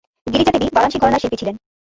গিরিজা দেবী বারাণসী ঘরানার শিল্পী ছিলেন।